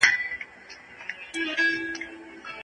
پلار تل ملاتړ کاوه.